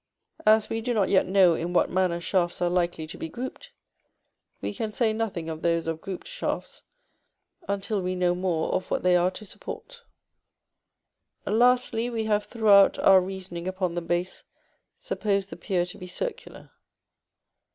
As we do not yet know in what manner shafts are likely to be grouped, we can say nothing of those of grouped shafts until we know more of what they are to support. Lastly; we have throughout our reasoning upon the base supposed the pier to be circular.